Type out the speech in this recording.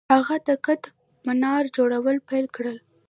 هغه د قطب منار جوړول پیل کړل.